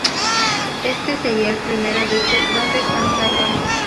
Este sería el primero desde "¿Dónde están los ladrones?